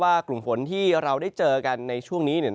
กลุ่มฝนที่เราได้เจอกันในช่วงนี้